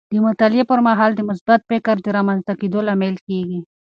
د مطالعې پر مهال د مثبت فکر د رامنځته کیدو لامل کیږي.